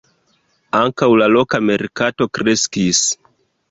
Ankaŭ la loka merkato kreskis.